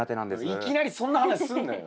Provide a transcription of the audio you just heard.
いきなりそんな話すんなよ。